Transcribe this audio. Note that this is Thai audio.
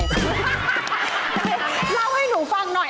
เล่าให้หนูฟังหน่อย